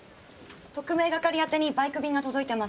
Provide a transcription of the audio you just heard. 特命係あてにバイク便が届いてます。